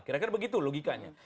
kira kira begitu logikanya